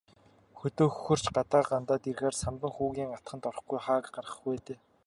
Хөдөө хөхөрч, гадаа гандаад ирэхээрээ Самдан хүүгийн атгад орохгүй хаа гарах вэ дээ.